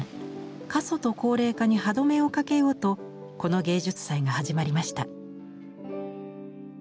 過疎と高齢化に歯止めをかけようとこの芸術祭が始まりました。